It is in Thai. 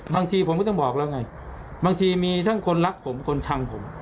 บางทีผมก็ต้องบอกแล้วไงบางทีมีทั้งคนรักผมคนชังผม